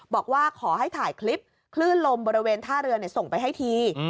บอกว่าขอให้ถ่ายคลิปคลื่นลมบริเวณท่าเรือส่งไปให้ที